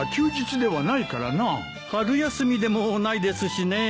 春休みでもないですしねえ。